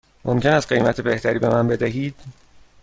ممکن است قیمت بهتری به من بدهید؟